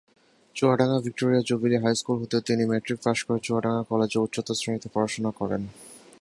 Chuadanga Victoria Jubilee high school হতে তিনি matric pass করে চুয়াডাঙ্গা কলেজে উচ্চতর শ্রেণিতে পড়াশোনা করেন।